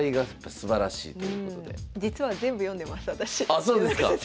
あそうですか！